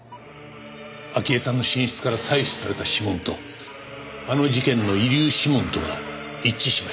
明江さんの寝室から採取された指紋とあの事件の遺留指紋とが一致しました。